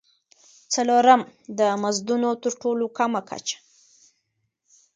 څلورم: د مزدونو تر ټولو کمه کچه.